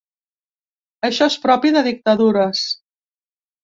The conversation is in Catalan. Això és propi de dictadures.